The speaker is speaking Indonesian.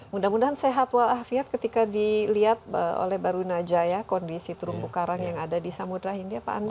mudah mudahan sehat wa'afiat ketika dilihat oleh baruina jaya kondisi terumbu karang yang ada di samudera india pak andi